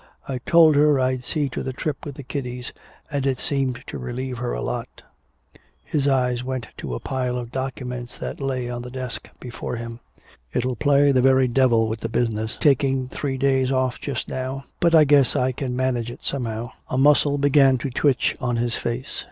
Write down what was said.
"I told her I'd see to the trip with the kiddies, and it seemed to relieve her a lot." His eye went to a pile of documents that lay on the desk before him. "It'll play the very devil with business, taking three days off just now. But I guess I can manage it somehow " A muscle began to twitch on his face.